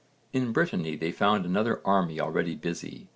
In Brittany they found another army already busy.